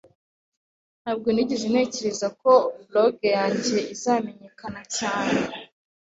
Ntabwo nigeze ntekereza ko blog yanjye izamenyekana cyane.